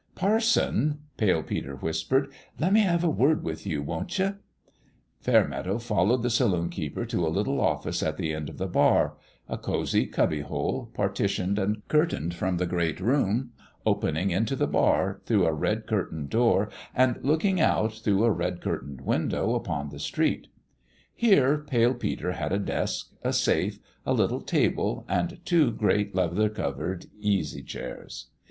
"Parson," Pale Peter whispered, "let me have a word with you, won't you ?" Fairmeadow fol lowed the saloon keeper to a little office at the end of the bar a cozy cubby hole, partitioned and curtained from the great room, opening into the bar, through a red curtained door, and looking out, through a red curtained window, PALE PETER'S GAME 65 upon the street. Here Pale Peter had a desk, a safe, a little table and two great leather covered easy chairs.